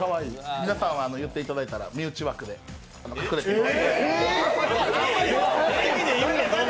皆さん言っていただいたら身内枠で隠れていきます。